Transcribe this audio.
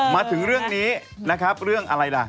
มาถึงเรื่องนี้เรื่องอะไรล่ะ